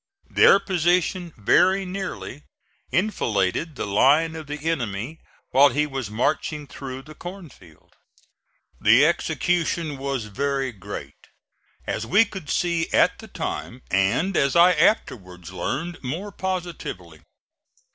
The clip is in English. Their position very nearly enfiladed the line of the enemy while he was marching through the cornfield. The execution was very great, as we could see at the time and as I afterwards learned more positively.